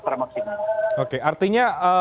secara maksimal oke artinya